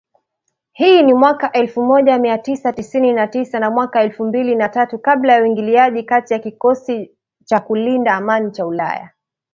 Hii ni mwaka elfu moja mia tisa tisini na tisa na mwaka elfu mbili na tatu kabla ya uingiliaji kati wa kikosi cha kulinda amani cha ulaya